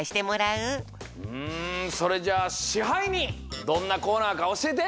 うんそれじゃあ支配人どんなコーナーかおしえて！